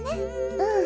うん。